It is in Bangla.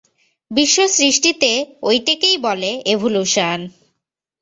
বিশ্বসৃষ্টিতে ঐটেকেই বলে এভোল্যুশন।